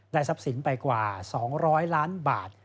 ทรัพย์สินไปกว่า๒๐๐ล้านบาท